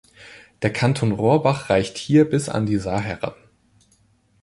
Der Kanton Rohrbach reicht hier bis an die Saar heran.